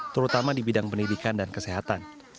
terutama di bidang pendidikan dan kesehatan